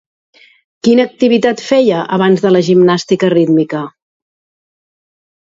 Quina activitat feia abans de la gimnàstica rítmica?